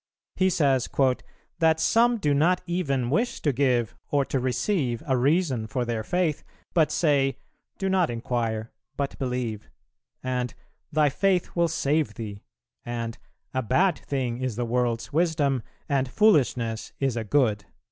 He says "that some do not even wish to give or to receive a reason for their faith, but say, 'Do not inquire but believe,' and 'Thy faith will save thee;' and 'A bad thing is the world's wisdom, and foolishness is a good.'"